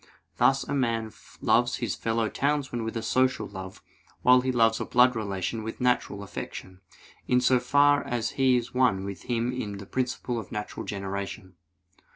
Thus a man loves his fellow townsman with a social love, while he loves a blood relation with natural affection, in so far as he is one with him in the principle of natural generation.